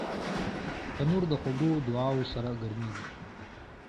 تنور د خوږو دعاوو سره ګرمېږي